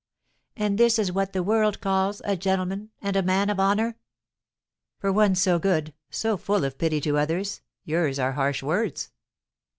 And this is what the world calls a gentleman and a man of honour!" "For one so good, so full of pity to others, yours are harsh words."